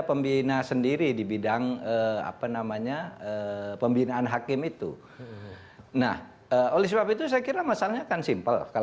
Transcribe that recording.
sebenarnya itu mudah tidak dideteksi pak